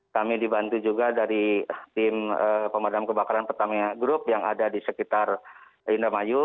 kami dibantu juga dari tim pemadam kebakaran pertamina group yang ada di sekitar indramayu